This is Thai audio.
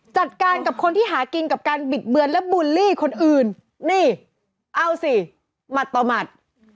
จัดการกับคนที่หากินกับการบิดเบือนและบูลลี่คนอื่นนี่เอาสิหมัดต่อหมัด